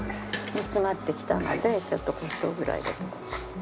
煮詰まってきたのでちょっとコショウぐらい。